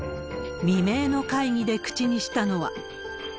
未明の会議で口にしたのは。